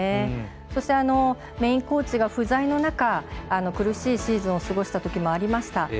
そしてメインコーチが不在の中苦しいシーズンを過ごしたときもありました。